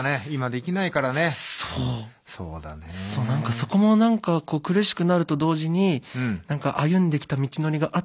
そこも何か苦しくなると同時に歩んできた道のりがあって。